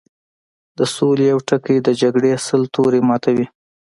د سولې يو ټکی د جګړې سل تورې ماتوي